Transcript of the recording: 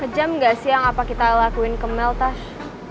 pajam gak sih yang apa kita lakuin ke mel tash